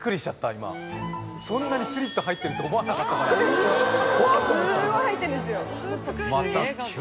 今そんなにスリット入ってると思わなかったからビックリでしょ？